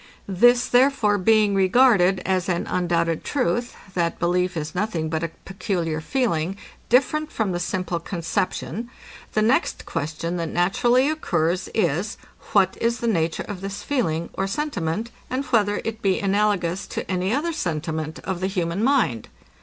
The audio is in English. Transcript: This, therefore, being regarded as an undoubted truth, that belief is nothing but a peculiar feeling, different from the simple conception, the next question, that naturally occurs, is, what is the nature of this feeling, or sentiment, and whether it be analogous to any other sentiment of the human mind?